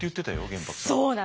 玄白さん。